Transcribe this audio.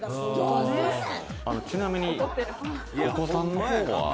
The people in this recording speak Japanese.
ちなみに、お子さんの方は？